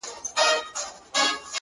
د غم شپيلۍ راپسي مه ږغـوه،